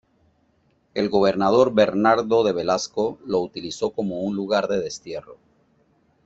El gobernador Bernardo de Velasco lo utilizó como lugar de destierro.